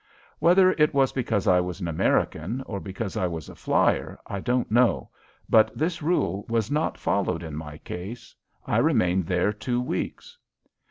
Whether it was because I was an American or because I was a flier, I don't know, but this rule was not followed in my case. I remained there two weeks.